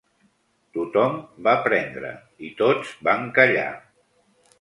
Tot-hom va prendre, i tots van callar